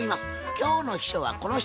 今日の秘書はこの人。